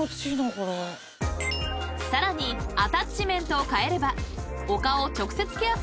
［さらにアタッチメントを替えれば］